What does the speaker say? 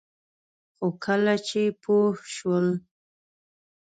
خو کله چې پوه شول